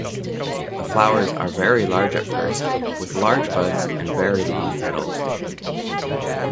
The flowers are very large at first with large buds and very long petals.